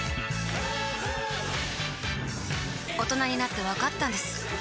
大人になってわかったんです